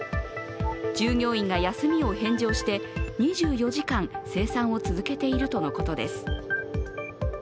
従業員が休みを返上して２４時間生産を続けているとのことです。